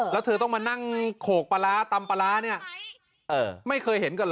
แล้วเธอต้องมานั่งโขกปลาร้าตำปลาร้าเนี่ยไม่เคยเห็นกันเหรอ